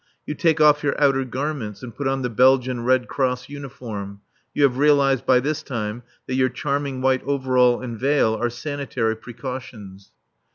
You take off your outer garments and put on the Belgian Red Cross uniform (you have realized by this time that your charming white overall and veil are sanitary precautions).